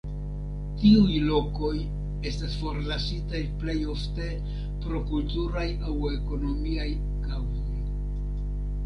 Tiuj lokoj estas forlasitaj plej ofte pro kulturaj aŭ ekonomiaj kaŭzoj.